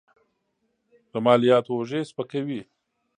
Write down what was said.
له مالیاتو اوږې سپکوي.